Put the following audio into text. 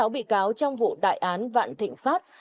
tám mươi sáu bị cáo trong vụ đại án vạn thịnh phát